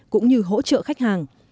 cũng như hỗ trợ khách hàng